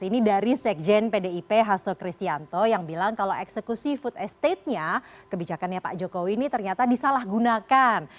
ini dari sekjen pdip hasto kristianto yang bilang kalau eksekusi food estate nya kebijakannya pak jokowi ini ternyata disalahgunakan